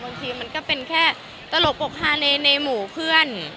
บางทีมันก็เป็นแค่ตลกอกฮาในหมู่เพื่อน